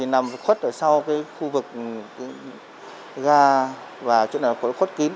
nằm khuất ở sau khu vực ga và chỗ này là khuất kín